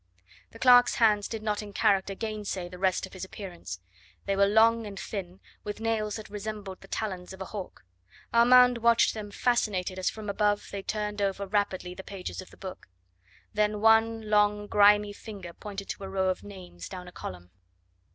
The clerk's hands did not in character gainsay the rest of his appearance; they were long and thin, with nails that resembled the talons of a hawk. Armand watched them fascinated as from above they turned over rapidly the pages of the book; then one long, grimy finger pointed to a row of names down a column.